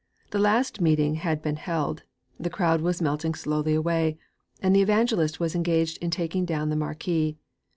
The last meeting had been held; the crowd was melting slowly away; and the evangelist was engaged in taking down the marquee.